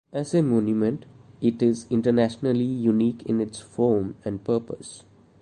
As a monument, it is internationally unique in its form and purpose.